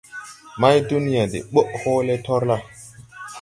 Maydunya de ɓɔʼ hɔɔlɛ tɔrlà.